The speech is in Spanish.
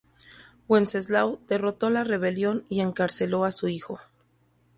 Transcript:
Wenceslao derrotó la rebelión y encarceló a su hijo.